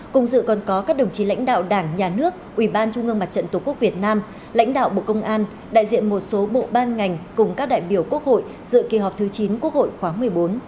cùng dự còn có các đồng chí lãnh đạo đảng nhà nước ủy ban trung ương mặt trận tổ quốc việt nam lãnh đạo bộ công an đại diện một số bộ ban ngành cùng các đại biểu quốc hội dự kỳ họp thứ chín quốc hội khóa một mươi bốn